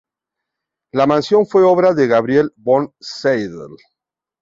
La mansión fue obra de Gabriel von Seidl.